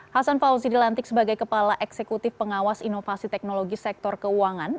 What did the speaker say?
hasan fauzi dilantik sebagai kepala eksekutif pengawas inovasi teknologi sektor keuangan